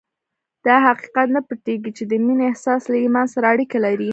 دا حقیقت نه پټېږي چې د مینې احساس له ایمان سره اړیکې لري